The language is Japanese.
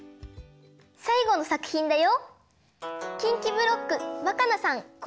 さいごのさくひんだよ。